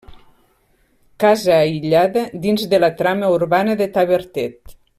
Casa aïllada dins de la trama urbana de Tavertet.